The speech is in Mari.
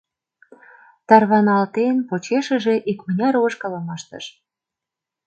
Тарваналтен, почешыже икмыняр ошкылым ыштыш.